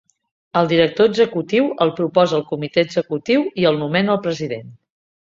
El Director Executiu el proposa el Comitè Executiu i el nomena el President.